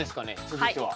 続いては。